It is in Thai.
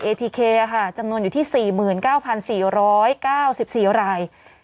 เอทีเคล่าค่ะจำนวนอยู่ที่สี่หมื่นเก้าพันสี่ร้อยเก้าสิบสี่ราย